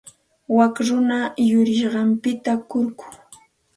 Wak runaqa yurisqanpita kurku.